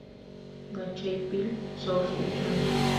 La Chapelle-sous-Uchon